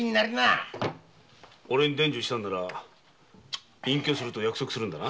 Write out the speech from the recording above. おれに伝授したなら隠居すると約束するんだな。